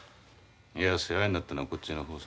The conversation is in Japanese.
いや世話になったのはこっちの方さ。